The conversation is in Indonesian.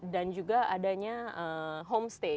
dan juga adanya homestay